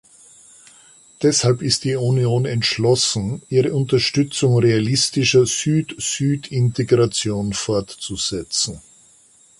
Deshalb ist die Union entschlossen, ihre Unterstützung realistischer Süd-Süd-Integration fortzusetzen.